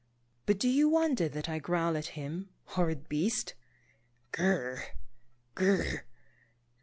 But do you wonder that I growl at him, horrid beast? Grrr / Grrrr